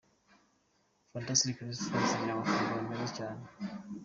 Fantastic Restaurant igira amafunguro meza cyane.